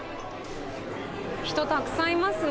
人たくさんいますね。